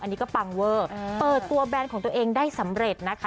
อันนี้ก็ปังเวอร์เปิดตัวแบรนด์ของตัวเองได้สำเร็จนะคะ